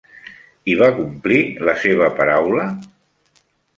I va complir la seva paraula?